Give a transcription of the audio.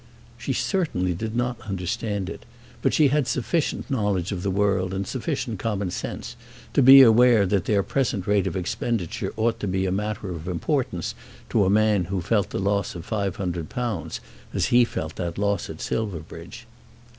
She certainly did not understand it, but she had sufficient knowledge of the world and sufficient common sense to be aware that their present rate of expenditure ought to be matter of importance to a man who felt the loss of £500 as he felt that loss at Silverbridge.